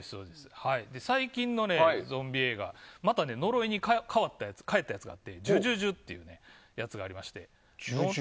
最近のゾンビ映画また呪いにかえったやつがあって「呪呪呪」というやつがありまして。